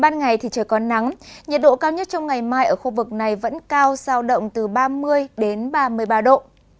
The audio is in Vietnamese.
nhiệt độ cao nhất trong ngày mai ở khu vực này vẫn cao giao động từ ba mươi đến ba mươi ba độ